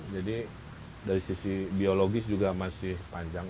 dari sisi biologis juga masih panjang